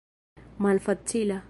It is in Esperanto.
malfacila